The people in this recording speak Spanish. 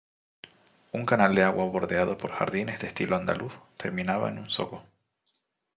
Un canal de agua bordeado por jardines de estilo andaluz terminaba en un zoco.